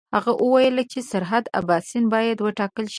هغه وویل چې سرحد اباسین باید وټاکل شي.